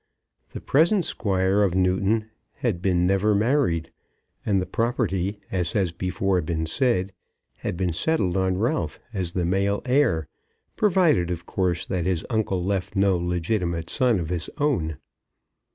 The present squire of Newton had been never married, and the property, as has before been said, had been settled on Ralph, as the male heir, provided, of course, that his uncle left no legitimate son of his own.